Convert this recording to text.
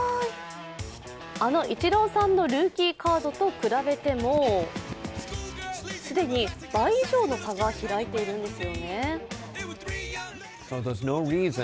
あのイチローさんのルーキーカードと比べても既に倍以上の差が開いています。